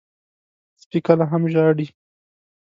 سپي کله هم ژاړي.